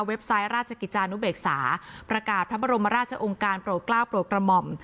ไซต์ราชกิจจานุเบกษาประกาศพระบรมราชองค์การโปรดกล้าวโปรดกระหม่อม